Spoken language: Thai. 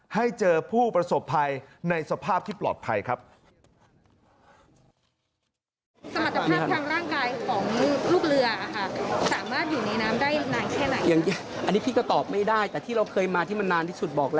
ให้เจอผู้ประสบภัยในสภาพที่ปลอดภัยครับ